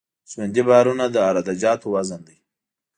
ژوندي بارونه د عراده جاتو وزن دی